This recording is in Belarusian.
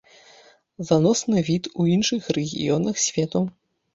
Заносны від у іншых рэгіёнах свету.